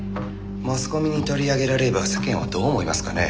マスコミに取り上げられれば世間はどう思いますかね？